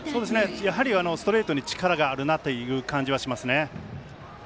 やはりストレートに力があるなという感じはしますね。